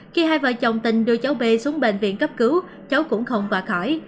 khi hai vợ chồng tình đưa cháu b xuống bệnh viện cấp cứu cháu cũng không bỏ khỏi